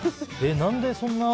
何でそんな。